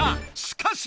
しかし！